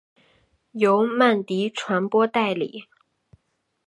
由曼迪传播代理。